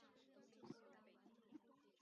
它是指经由精神的集中过程。